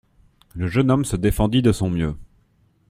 Le jeune homme se défendit de son mieux.